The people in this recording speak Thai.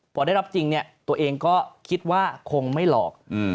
พอได้รับจริงเนี่ยตัวเองก็คิดว่าคงไม่หลอก